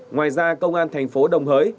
ngoài ra công an tp đồng hới